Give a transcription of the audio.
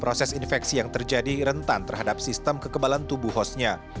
proses infeksi yang terjadi rentan terhadap sistem kekebalan tubuh hostnya